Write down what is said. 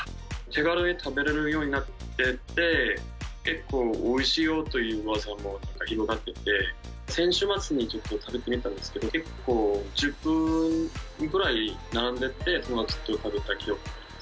手軽に食べれるようになってて、結構、おいしいよといううわさも広がってて、先週末にちょっと食べてみたんですけど、結構、１０分ぐらい並んでて、友達と食べました。